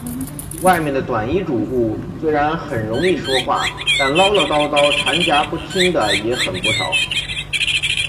外面的短衣主顾，虽然容易说话，但唠唠叨叨缠夹不清的也很不少。